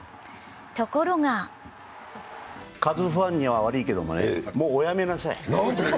ところがカズファンには悪いけどね、もうお辞めなさい。